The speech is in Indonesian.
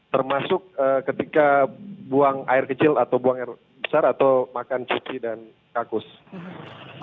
termasuk ketika buang air kecil atau buang air besar atau makan cuci dan kakus